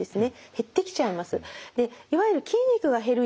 減ってきちゃいます。